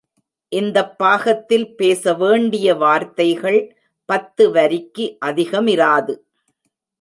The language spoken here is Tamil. இந்தப் பாகத்தில் பேச வேண்டிய வார்த்தைகள் பத்து வரிக்கு அதிகமிராது.